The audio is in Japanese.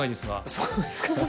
そうですか？